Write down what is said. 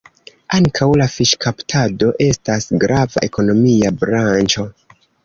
Ankaŭ la fiŝkaptado estas grava ekonomia branĉo.